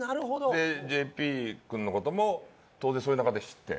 でＪＰ君の事も当然そういう中で知って。